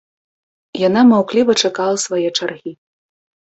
Яна маўкліва чакала свае чаргі.